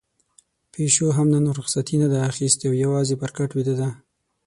پيشو نن هم رخصتي نه ده اخیستې او يوازې پر کټ ويده ده.